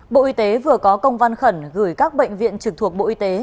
bộ y tế vừa có công văn khẩn gửi các bệnh viện trực thuộc bộ y tế